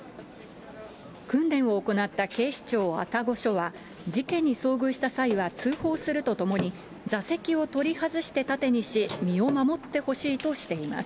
訓練を行った警視庁愛宕署は、事件に遭遇した際は通報するとともに、座席を取り外して盾にし、身を守ってほしいとしています。